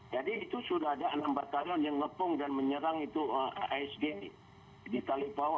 jadi itu sudah ada enam batalion yang ngepung dan menyerang itu asg di talipang